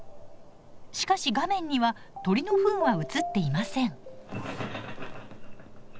しかし画面には鳥のふんは映っていません。